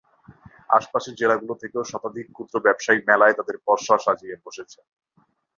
আশপাশের জেলাগুলো থেকেও শতাধিক ক্ষুদ্র ব্যবসায়ী মেলায় তাঁদের পসরা সাজিয়ে বসেছেন।